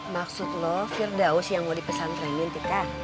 maksud lo fir daus yang mau dipesantrenin tika